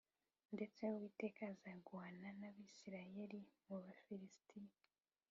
ndetse uwiteka azaguhāna n’abisirayeli mu bafilisitiya